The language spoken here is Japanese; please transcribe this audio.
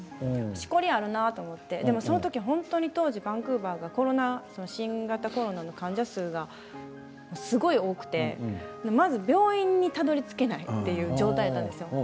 しこりがあるんだと思ってその時、本当に当時バンクーバーがコロナの患者数がすごく多くて、まず病院にたどりつけないという状況だったんです。